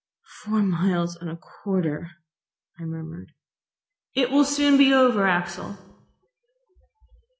.... "Four miles and a quarter!" I murmured. .... "It will soon be over, Axel."